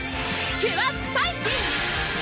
キュアスパイシー！